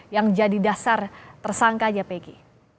yang jadi dasar tersangkanya peki